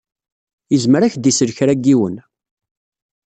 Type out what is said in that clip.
Izmer ad ak-d-isel kra n yiwen.